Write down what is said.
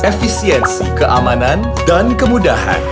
efisiensi keamanan dan kemudahan